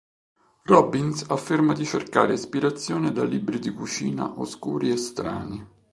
Robbins afferma di cercare ispirazione da "libri di cucina oscuri e strani".